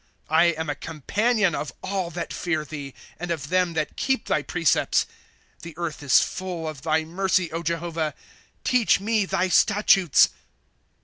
8^ I am a companion of all that fear thee, And of them that keep thy precepts. «* The earth is full of thy mercy, Jehovah ; Teach me thy statutes.